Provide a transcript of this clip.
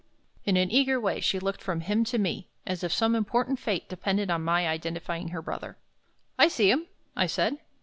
In an eager way she looked from him to me, as if some important fate depended on my identifying her brother. "I see him," I said.